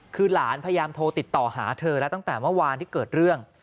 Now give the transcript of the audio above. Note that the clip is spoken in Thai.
คือหลานพยายามโทรติดต่อหาเธอแล้วตั้งแต่เมื่อวานที่เกิดเรื่อง